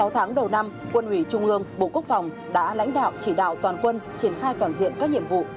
sáu tháng đầu năm quân ủy trung ương bộ quốc phòng đã lãnh đạo chỉ đạo toàn quân triển khai toàn diện các nhiệm vụ